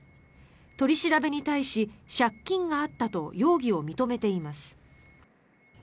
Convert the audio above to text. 取り調べに対し、借金があったと容疑を認めています。